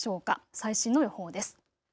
最新の予報です。